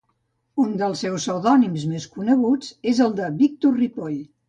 Un dels seus pseudònims més coneguts és el de Víctor Ripoll.